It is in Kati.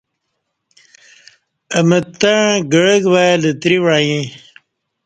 سےمع اہ متݩع گعک وای لتری وعیݩ